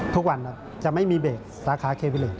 ทุกวันจะไม่มีเบรกสาขาเควิเลย